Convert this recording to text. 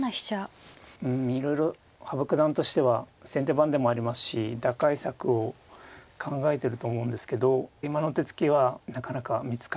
うんいろいろ羽生九段としては先手番でもありますし打開策を考えてると思うんですけど今の手つきはなかなか見つからないっていう。